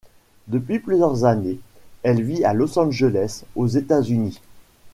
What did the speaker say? Depuis plusieurs années, elle vit à Los Angeles aux États-Unis.